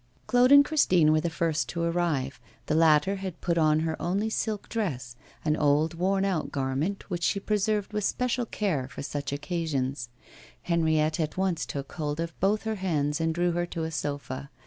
Claude and Christine were the first to arrive. The latter had put on her only silk dress an old, worn out garment which she preserved with especial care for such occasions. Henriette at once took hold of both her hands and drew her to a sofa.